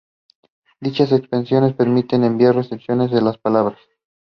Sujith hail from Coimbatore.